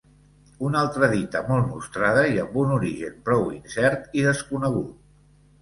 Una altra dita molt nostrada i amb un origen prou incert i desconegut.